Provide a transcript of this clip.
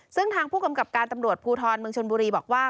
ซึ่งทางผู้กำกับการตำรวจภูทรเมืองชนบุรีบอกว่า